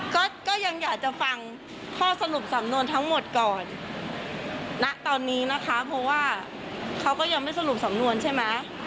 ก็ก็ยังอยากจะฟังข้อสรุปสำนวนทั้งหมดก่อนณตอนนี้นะคะเพราะว่าเขาก็ยังไม่สรุปสำนวนใช่ไหม